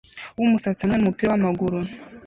wumusatsi hamwe numupira wamaguru